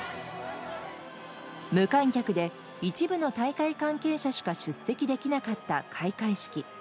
無観客で一部の大会関係者しか出席できなかった開会式。